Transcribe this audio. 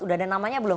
sudah ada namanya belum